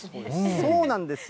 そうなんですよ。